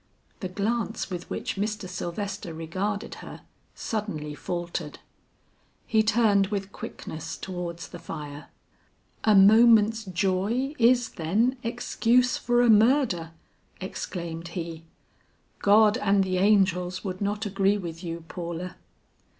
The glance with which Mr. Sylvester regarded her, suddenly faltered; he turned with quickness towards the fire. "A moment's joy is, then, excuse for a murder," exclaimed he. "God and the angels would not agree with you, Paula."